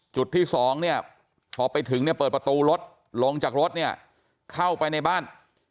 จุดที่สองเนี่ยพอไปถึงเนี่ยเปิดประตูรถลงจากรถเนี่ยเข้าไปในบ้าน